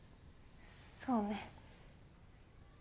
そうね。